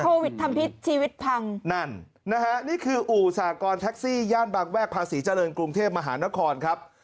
โควิดทำพิษชีวิตพังนั่นนะฮะนี่คืออู่สากรณ์แท็กซี่ย่านบางแวกภาษีเจริญกรุงเทพมหานครครับ